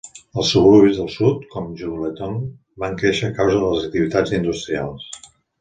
Els suburbis del sud, com Jelutong, van créixer a causa de les activitats industrials.